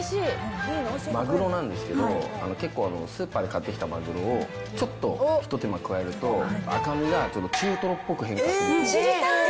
マグロなんですけど、結構スーパーで買ってきたマグロを、ちょっと一手間加えると、知りたい。